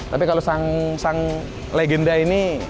tapi kalau sang legenda ini